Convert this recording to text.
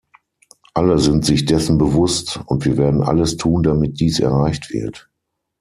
Alle sind sich dessen bewusst, und wir werden alles tun, damit dies erreicht wird.